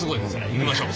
いきましょう。